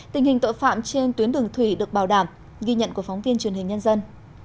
tình hình tội phạm trên tuyến đường thủy được bảo đảm ghi nhận của phóng viên truyền hình nhân dân